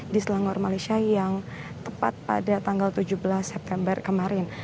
di selangor malaysia yang tepat pada tanggal tujuh belas september kemarin